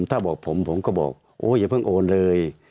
ถ้าบอกผมผมก็บอกโอ้อย่าเพิ่งโอนเลย